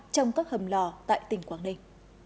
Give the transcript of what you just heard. trong các hầm lò tại tỉnh quảng ninh